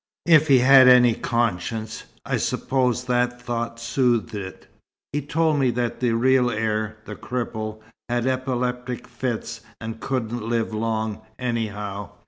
If he had any conscience, I suppose that thought soothed it. He told me that the real heir the cripple had epileptic fits, and couldn't live long, anyhow.